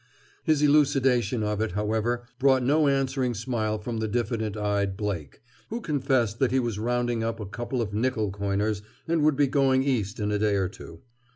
His elucidation of it, however, brought no answering smile from the diffident eyed Blake, who confessed that he was rounding up a couple of nickel coiners and would be going East in a day or two.